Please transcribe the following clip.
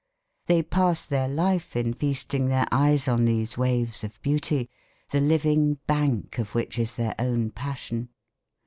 They pass their life in feasting their eyes on these waves of beauty, the living bank of which is their own passion.